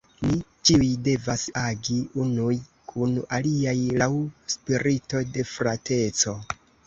Ni ĉiuj devas agi unuj kun aliaj laŭ spirito de frateco.